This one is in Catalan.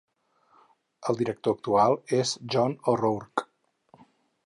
El director actual és John O'Rourke.